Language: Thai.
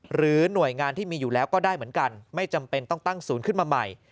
หรือหน่วยงานที่มีอยู่แล้วก็ได้เหมือนกันไม่จำเป็นต้องตั้งศูนย์ขึ้นมาใหม่